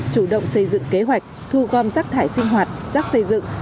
chủ động xây dựng kế hoạch thu gom rác thải sinh hoạt rác xây dựng